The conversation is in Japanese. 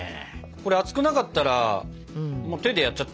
これ熱くなかったら手でやっちゃっていいのかな？